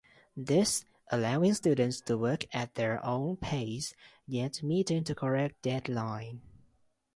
This allowing students to work at their own pace, yet meeting the correct deadline.